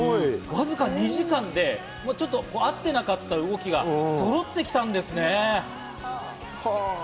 わずか２時間で合ってなかった動きがそろってきたんですね。